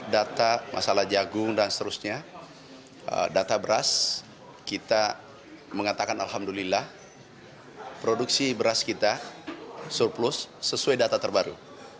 data masalah jagung dan seterusnya data beras kita mengatakan alhamdulillah produksi beras kita surplus sesuai data terbaru